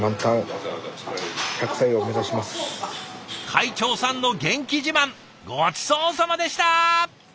会長さんの元気自慢ごちそうさまでした！